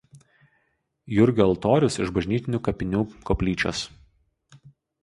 Jurgio altorius iš bažnytinių kapinių koplyčios.